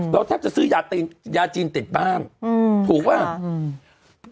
เราแทบจะซื้อยาจีนติดบ้างถูกหรือ